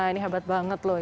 ini hebat banget loh